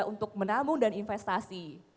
untuk menambung dan investasi